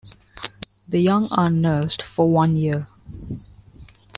The young are nursed for one year.